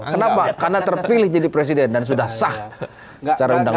kenapa karena terpilih jadi presiden dan sudah sah secara undang undang